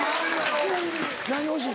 ちなみに何欲しい？